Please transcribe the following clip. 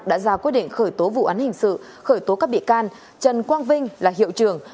đã ra quyết định khởi tố vụ án hình sự khởi tố các bị can trần quang vinh là hiệu trưởng